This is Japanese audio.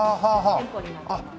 店舗になってます。